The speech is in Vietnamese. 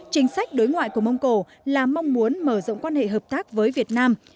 chính sách đối ngoại của mông cổ là mong muốn mở rộng quan hệ hợp tác với việt nam